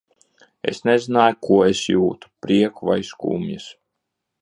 Es nezināju, ko es jūtu : prieku vai skumjas.